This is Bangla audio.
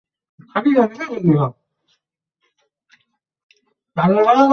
ব্যর্থতা ভুলে এবার নতুন করে শুরু করতে চান নতুন অধিনায়ক আন্দ্রেস ইনিয়েস্তা।